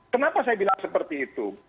kenapa saya bilang seperti itu